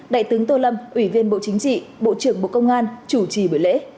đại tướng tô lâm ủy viên bộ chính trị bộ trưởng bộ công an chủ trì buổi lễ